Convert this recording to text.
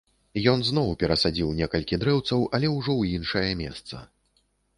Ён зноў перасадзіў некалькі дрэўцаў, але ўжо ў іншае месца.